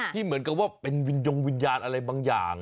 ที่เหมือนกับว่าเป็นวิญญาณอะไรบางอย่าง